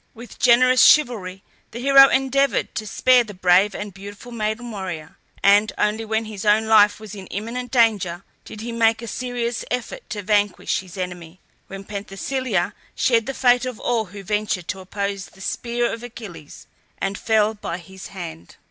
With generous chivalry the hero endeavoured to spare the brave and beautiful maiden warrior, and only when his own life was in imminent danger did he make a serious effort to vanquish his enemy, when Penthesilea shared the fate of all who ventured to oppose the spear of Achilles, and fell by his hand.